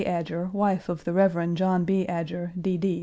Adger, wife of the Rev. John B. Adger, D. D.